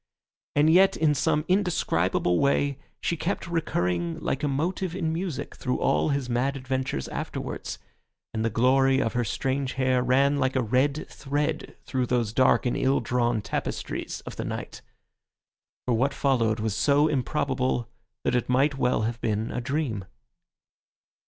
And yet, in some indescribable way, she kept recurring like a motive in music through all his mad adventures afterwards, and the glory of her strange hair ran like a red thread through those dark and ill drawn tapestries of the night. For what followed was so improbable, that it might well have been a dream.